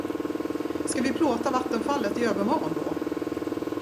Ska vi plåta vattenfallet i övermorgon, då?